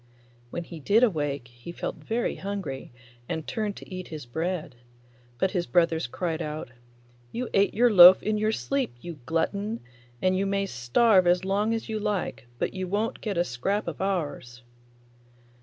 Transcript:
When he did awake he felt very hungry and turned to eat his bread, but his brothers cried out, 'You ate your loaf in your sleep, you glutton, and you may starve as long as you like, but you won't get a scrap of ours.